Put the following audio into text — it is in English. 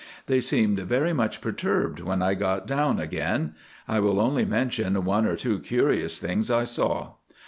They seemed very much perturbed when I got down again. I will only mention one or two curious things I saw.